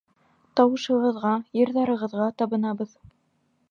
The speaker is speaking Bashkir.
Тауышығыҙға, йырҙарығыҙға табынабыҙ.